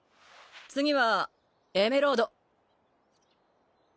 次はエメロード。